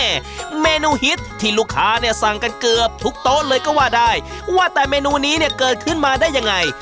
เมนูฮิตที่ลูกค้าเนี่ยสั่งกันเกือบทุกโต๊ะเลยก็ว่าได้ว่าแต่เมนูนี้เนี่ยเกิดขึ้นมาได้ยังไง